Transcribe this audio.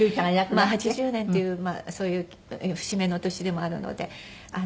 まあ８０年っていうそういう節目の年でもあるので。